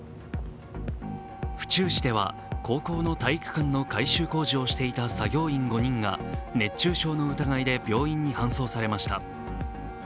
府中市では高校の体育館の改修工事をしていた作業員５人が熱中症の疑いで病院に搬送されました。